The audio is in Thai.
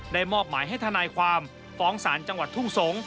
มอบหมายให้ทนายความฟ้องศาลจังหวัดทุ่งสงศ์